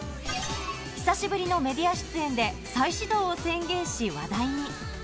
久しぶりのメディア出演で再始動を宣言し、話題に。